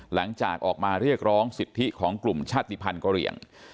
หลังจากออกมาเรียกร้องสิทธิของกลุ่มชาติภัณฑ์กะเหลี่ยง